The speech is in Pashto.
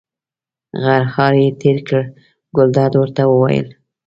غرهار یې تېر کړ، ګلداد ورته وویل.